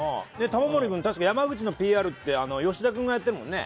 玉森君、確か山口のＰＲって、よしだ君がやってるもんね。